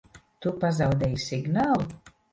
Tu pazaudēji signālu?